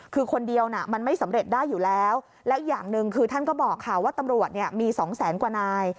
คือคนเดียวน่ะมันไม่สำเร็จได้อยู่แล้วแล้วอย่างหนึ่งคือท่านก็บอกค่ะว่าตำรวจเนี่ยมีสองแสนกว่านาย